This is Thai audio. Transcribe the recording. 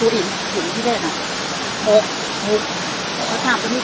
หลุดหลานมาลุก